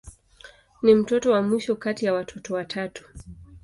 Ni mtoto wa mwisho kati ya watoto watatu.